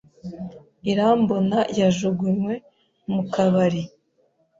Irambona yajugunywe mu kabari.